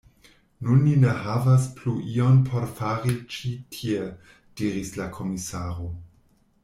Nun ni ne havas plu ion por fari ĉi tie, diris la komisaro.